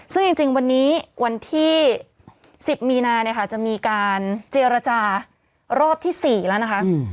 ซึ่งจริงวันนี้วันที่๑๐มีนาเนี่ยค่ะจะมีการเจรจารอบที่๔แล้วนะคะ